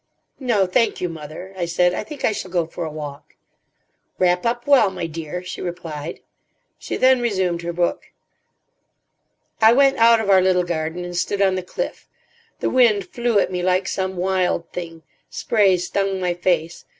"No, thank you, mother," I said. "I think I shall go for a walk." "Wrap up well, my dear," she replied. She then resumed her book. I went out of our little garden, and stood on the cliff. The wind flew at me like some wild thing. Spray stung my face.